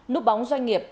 nút bóng doanh nghiệp